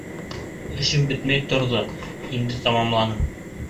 Эшем бөтмәй торҙо, инде тамамланым.